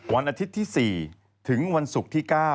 วันอาทิตย์ที่๔ถึงวันศุกร์ที่๙